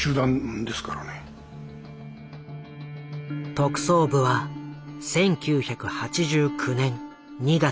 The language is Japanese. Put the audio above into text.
特捜部は１９８９年２月江副を逮捕。